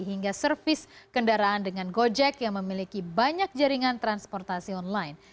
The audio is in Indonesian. hingga servis kendaraan dengan gojek yang memiliki banyak jaringan transportasi online